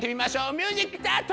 ミュージックスタート！